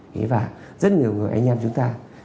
đấy và rất nhiều người anh em chúng ta